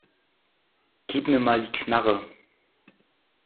Gib mir mal die Knarre.